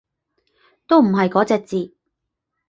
都唔係嗰隻字